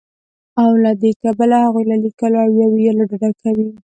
او له دې کبله هغوی له ليکلو يا ويلو ډډه کوي